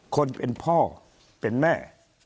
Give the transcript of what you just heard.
คนเป็นพ่อเป็นแม่